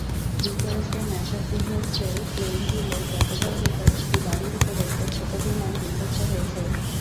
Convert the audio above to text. যুক্তরাষ্ট্রের ম্যাসাচুসেটসের প্লেইনভিলে গতকাল রোববার একটি বাড়ির ওপর একটি ছোট বিমান বিধ্বস্ত হয়েছে।